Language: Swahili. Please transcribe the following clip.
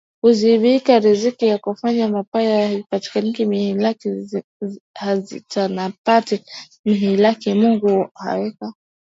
kuzibia riziki Na kunifanyia mabaya haitanipata mihilaki hazitanipata mihilaki Mungu kaweka mgao wa maelfu